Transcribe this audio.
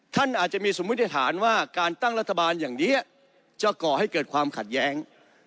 ท่านอาจจะมีสมมุติฐานว่าการตั้งรัฐบาลอย่างนี้จะก่อให้เกิดความขัดแย้ง